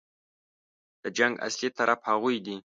د جنګ اصلي طرف هغوی دي.